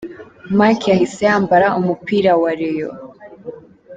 Mike yahise yambara umupira wa Rayons.